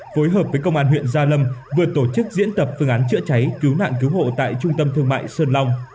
phối hợp với công an huyện gia lâm vừa tổ chức diễn tập phương án chữa cháy cứu nạn cứu hộ tại trung tâm thương mại sơn long